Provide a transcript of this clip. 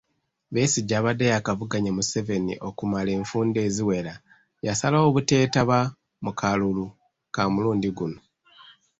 Besigye abadde yaakavuganya Museveni okumala enfunda eziwera yasalawo obuteetaba mu kalulu ka mulundi guno.